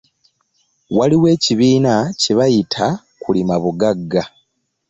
Waliwo ekibiina kye bayita kulima buggaga